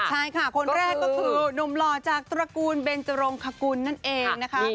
คนแรกก็คือนมล่อจากตรกูลเบนจรวงคาคุณนั่นเองนะคะ